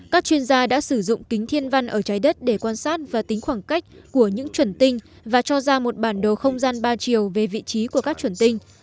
các chuyên gia đã sử dụng kính thiên văn ở trái đất để quan sát và tính khoảng cách của những chuẩn tinh và cho ra một bản đồ không gian ba chiều về vị trí của các chuẩn tinh